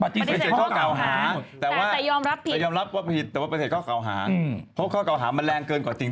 ถ้าเธอปากเสียเขาเขาเอาเธอเข้าคุกก่อน